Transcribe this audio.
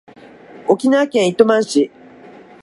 沖縄県糸満市